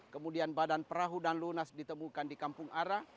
kemudian badan perahu dan lunas ditemukan di kampung ara